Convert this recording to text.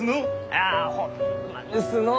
ああホンマですのう！